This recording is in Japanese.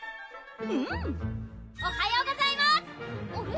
⁉うんおはようございまーすあれ？